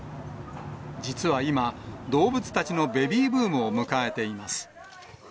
実は今、動物たちのベビーブームを迎えています。